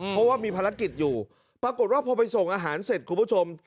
เพราะว่ามีภารกิจอยู่ปรากฏว่าพอไปส่งอาหารเสร็จคุณผู้ชม